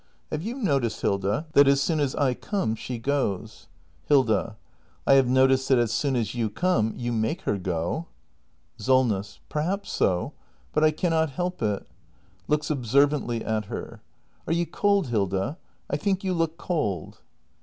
] Have you noticed, Hilda, that as soon as I come, she goes ? act in] THE MASTER BUILDER 397 Hilda. I have noticed that as soon as you come, you make her go. SOLNESS. Perhaps so. But I cannot help it. [Looks observantly at her.] Are you cold, Hilda? I think you look cold.